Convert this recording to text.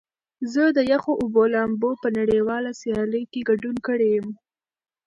زه د یخو اوبو لامبو په نړیواله سیالۍ کې ګډون کړی یم.